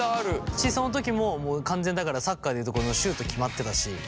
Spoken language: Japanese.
しその時も完全にだからサッカーで言うところのシュート決まってたし。